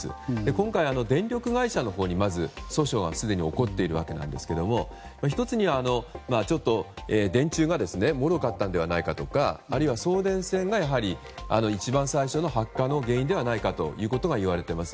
今回、電力会社のほうにまず訴訟がすでに起こっていますが１つには、電柱がもろかったのではないかとかやはり、送電線が一番最初の発火の原因ではと言われています。